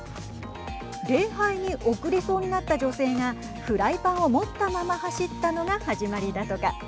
礼拝に遅れそうになった女性がフライパンを持ったまま走ったのが始まりだとか。